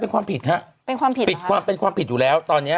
เป็นความผิดอยู่แล้วตอนนี้